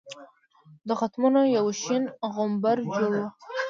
د ختمونو یو شین غومبر جوړ وو.